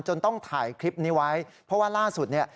ต้องถ่ายคลิปนี้ไว้เพราะว่าล่าสุดเนี่ย